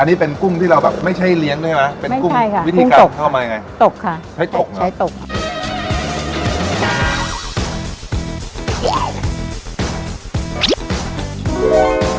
อันนี้เป็นกุ้งที่เราแบบไม่ใช่เลี้ยงใช่ไหมไม่ใช่ค่ะวิธีการเข้ามายังไงตกค่ะใช้ตกเหรอใช้ตก